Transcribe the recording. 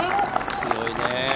強いね。